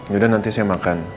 yaudah nanti saya makan